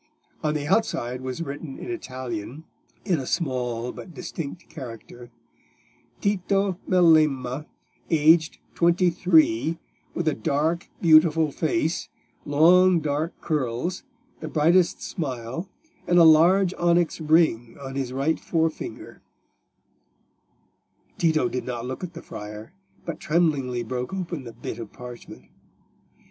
On the outside was written in Italian, in a small but distinct character— "_Tito Melema, aged twenty three, with a dark, beautiful face, long dark curls, the brightest smile, and a large onyx ring on his right forefinger_." Tito did not look at the friar, but tremblingly broke open the bit of parchment.